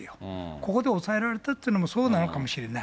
ここで抑えられたっていうのもそうなのかもしれない。